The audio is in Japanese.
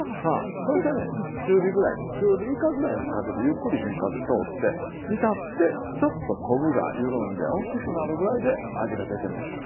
そしてね中火ぐらい中火以下ぐらいにかけてゆっくり火通って煮立ってちょっと昆布が緩んで大きくなるぐらいで味が出てますから。